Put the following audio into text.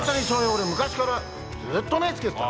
俺昔からずっと目つけてた！